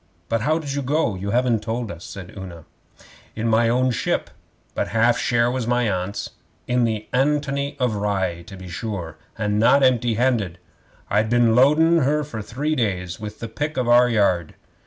'But how did you go? You haven't told us,' said Una. 'In my own ship but half share was my Aunt's. In the ANTONY OF RYE, to be sure; and not empty handed. I'd been loadin' her for three days with the pick of our yard.